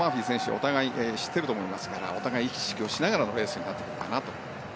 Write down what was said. お互いに知ってると思いますからお互いに意識しながらのレースになってくるかなと。